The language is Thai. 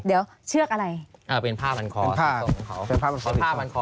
เดี๋ยวเชือกอะไรเอ่อเป็นผ้าบรรคอผ้าผ้าบรรคอผ้าบรรคอ